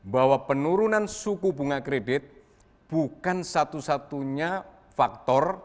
bahwa penurunan suku bunga kredit bukan satu satunya faktor